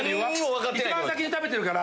一番先に食べてるから。